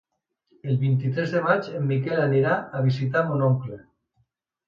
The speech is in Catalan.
El vint-i-tres de maig en Miquel anirà a visitar mon oncle.